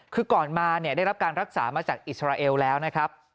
คือก่อนมาได้รับการรักษามาจากอิสราเอลแล้วนะครับ